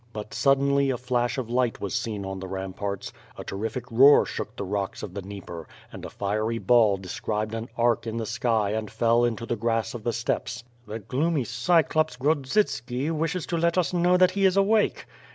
But, suddenly, a flash of light was seen on the ramparts; a terrific roar shook the rocks of the Dnieper; and a fiery ball described an arc in the sky and fell into the grass of the steppes. "The gloomy cyclops, Grodzitski wishes to let us know that he is awake."